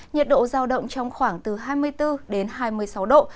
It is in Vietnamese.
nhiệt độ giao động trong khoảng từ hai mươi bốn đến hai mươi sáu độ